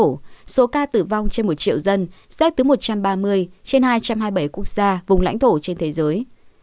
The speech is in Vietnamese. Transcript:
trong số ca tử vong trên một triệu dân xếp thứ một trăm ba mươi trên hai trăm hai mươi bảy quốc gia vùng lãnh thổ trên thế giới